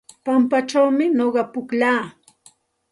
Pampachawmi nuqa pukllaa.